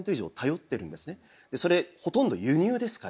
それほとんど輸入ですから。